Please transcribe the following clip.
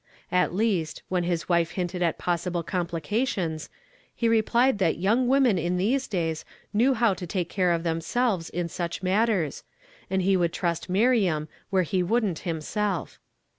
At least, wluMi his wife hinted at i.ossihie comj.li cations, lie replied that yonng women in these dajs knew Iiow to take care of themselves in sneh mat ter, and he wonld trnst Miriam wliere he wouldn't himself.